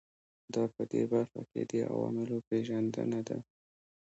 دا په دې برخه کې د عواملو پېژندنه ده.